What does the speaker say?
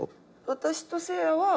私とせいやは同期。